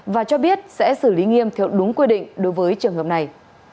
và cho biết sẽ xử lý nghiêm theo đúng quy định đối với trường hợp này